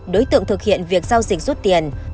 đối tượng thực hiện việc giao dịch rút tiền